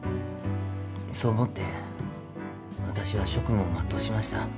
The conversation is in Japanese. そう思って私は職務を全うしました。